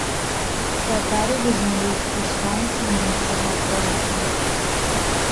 Татары вызнаюць іслам суніцкага толку.